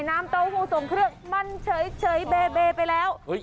น้ำเต้าหู้ส่งเครื่องมันเฉยเบเบไปแล้ว